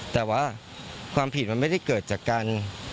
แต่ว่าความผิดมันไม่ได้เกิดจากการ